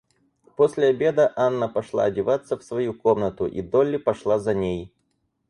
После обеда Анна пошла одеваться в свою комнату, и Долли пошла за ней.